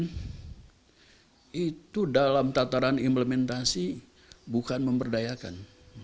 yang sudah diimplementasi bukan memperdayakan